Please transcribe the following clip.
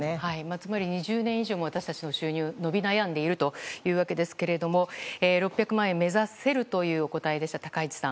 つまり２０年以上も私たちの収入が伸び悩んでいるということですが６００万円を目指せるというお答えでした高市さん。